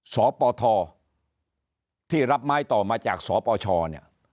สปทที่รับไม้ต่อมาจากสปชเนี่ย